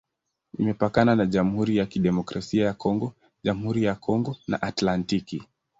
Imepakana na Jamhuri ya Kidemokrasia ya Kongo, Jamhuri ya Kongo na Atlantiki.